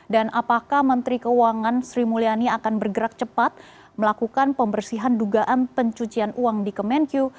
dan apakah menteri keuangan sri mulyani akan bergerak cepat melakukan pembersihan dugaan pencucian uang di kemenkyu